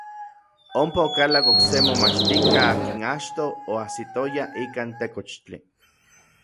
Ompa okalak n okse momachtijka akin achtoj oajsitoya ikkan tekochtli.